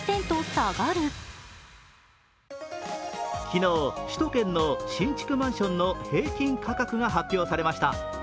昨日、首都圏の新築マンションの平均価格が発表されました。